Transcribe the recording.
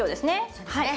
そうですね。